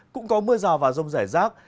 cũng có mưa rào và rông rải rác